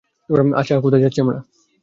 আচ্ছা, কোথায় যাচ্ছি আমরা?